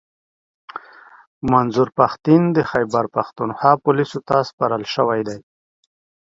منظور پښتین د خیبرپښتونخوا پوليسو ته سپارل شوی دی